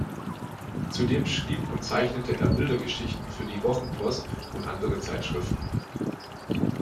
Zudem schrieb und zeichnete er Bildergeschichten für die "Wochenpost" und andere Zeitschriften.